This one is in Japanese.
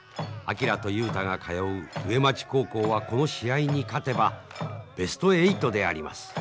昭と雄太が通う上町高校はこの試合に勝てばベスト８であります。